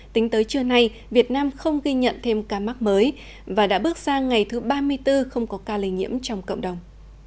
tính tới trưa nay việt nam không ghi nhận thêm ca mắc mới và đã bước sang ngày thứ ba mươi bốn không có ca lây nhiễm trong cộng đồng